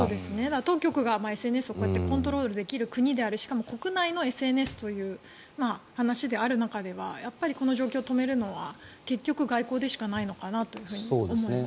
当局がＳＮＳをコントロールできる国であるしかも国内のＳＮＳであるという話である中ではやっぱりこの状況を止めるのは結局、外交でしかないのかなと思います。